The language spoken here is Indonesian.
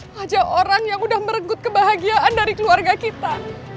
wajah orang yang udah merenggut kebahagiaan dari keluarga kita